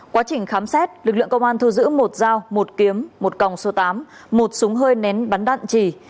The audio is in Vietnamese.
quá trình khám xét lực lượng công an thu giữ một dao một kiếm một còng số tám một súng hơi nén bắn đạn chỉ